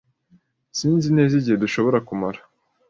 Sinzi neza igihe dushobora kumara.